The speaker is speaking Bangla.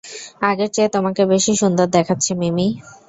আগের চেয়ে তোমাকে বেশি সুন্দর দেখাচ্ছে, মিমি।